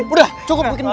udah cukup bikin peluk